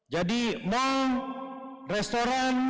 jadi mal restoran